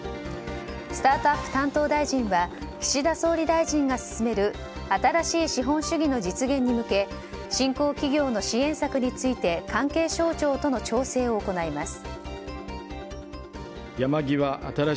スタートアップ担当大臣は岸田総理大臣が進める新しい資本主義の実現に向け新興企業の支援策について関係省庁との調整を行います。